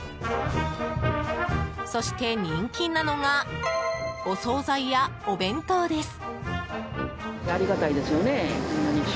そして人気なのがお総菜やお弁当です。